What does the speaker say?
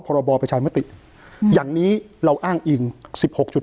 พรบประชามติอย่างนี้เราอ้างอิงสิบหกจุด